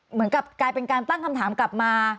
เหมือนกับกลายเป็นการตั้งคำถามกลับมา